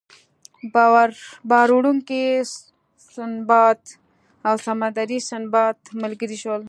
بار وړونکی سنباد او سمندري سنباد ملګري شول.